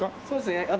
そうですね。